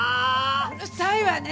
うるさいわね！